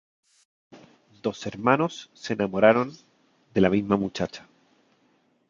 Dos hermanos se enamoran de la misma muchacha.